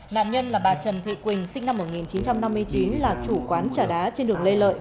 nạn nhân là bà trần thụy quỳnh sinh năm một nghìn chín trăm năm mươi chín là chủ quán trà đá trên đường lê lợi